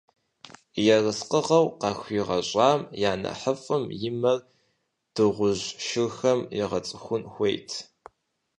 Ерыскъыгъуэу къахуигъэщӀам я нэхъыфӀым и мэр дыгъужь шырхэм егъэцӀыхун хуейт!